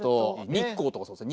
日光とかそうです。